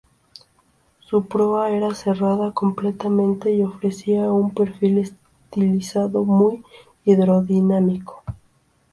Su proa era cerrada completamente y ofrecía un perfil estilizado muy hidrodinámico.